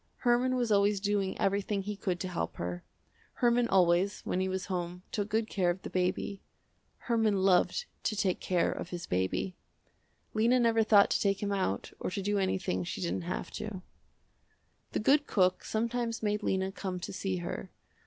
Herman was always doing everything he could to help her. Herman always, when he was home, took good care of the baby. Herman loved to take care of his baby. Lena never thought to take him out or to do anything she didn't have to. The good cook sometimes made Lena come to see her.